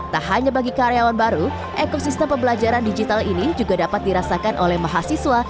tak hanya bagi karyawan baru ekosistem pembelajaran digital ini juga dapat dirasakan oleh mahasiswa